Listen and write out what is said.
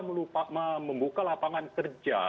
membuka lapangan kerja